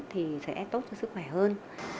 thì sẽ tốt cho sức khỏe hơn